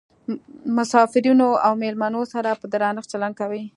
مسافرینو او میلمنو سره په درنښت چلند کوي.